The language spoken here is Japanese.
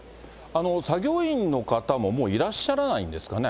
作業員の方ももういらっしゃらないんですかね。